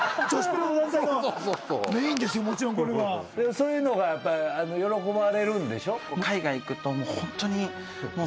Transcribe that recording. そういうのが喜ばれるんでしょ？